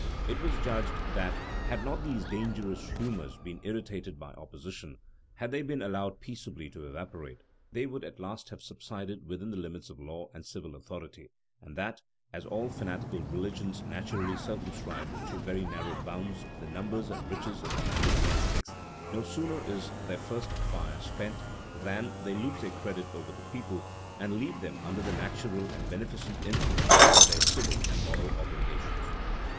It was judged that, had not these dangerous humors been irritated by opposition; had they been allowed peaceably to evaporate; they would at last have subsided within the limits of law and civil authority; and that, as all fanatical religions naturally circumscribe to very narrow bounds the numbers and riches of the ecclesiastics, no sooner is their first fire spent, than they lose their credit over the people, and leave them under the natural and beneficent influence of their civil and moral obligations.